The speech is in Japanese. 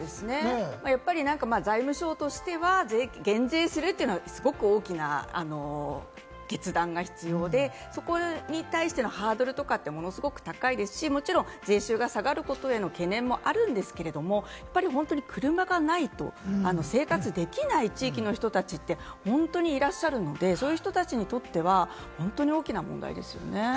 やっぱり財務省としては、減税するというのはすごく大きな決断が必要で、そこに対してのハードルとかってものすごく高くて、税収が下がることへの懸念もあるんですけれども、やっぱり車がないと生活できない地域の人たちって、本当にいらっしゃるので、そういう人たちにとっては本当に大きな問題ですよね。